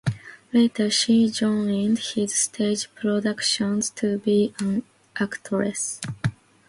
Later she joined his stage production to be an actress.